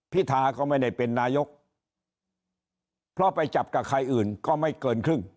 พิธาก็ไม่ได้เป็นนายกเพราะไปจับกับใครอื่นก็ไม่เกินครึ่ง